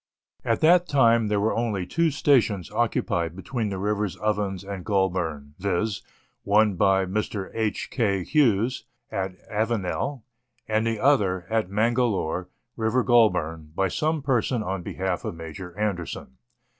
At that time there were only two stations occupied between the rivers Ovens and Goulburn, viz., one by Mr. H. K. Hughes, at Avenel, and the other, at Mangalore, River Goulburn, by some person on behalf of Major Anderson.